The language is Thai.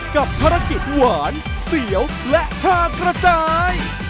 กับภารกิจหวานเสียวและแพร่กระจาย